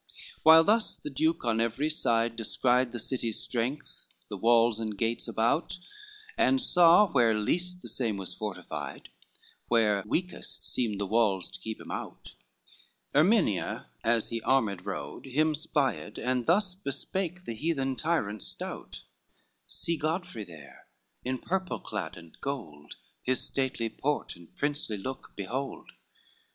LVIII While thus the Duke on every side descried The city's strength, the walls and gates about, And saw where least the same was fortified, Where weakest seemed the walls to keep him out; Ermina as he armed rode, him spied, And thus bespake the heathen tyrant stout, "See Godfrey there, in purple clad and gold, His stately port, and princely look behold.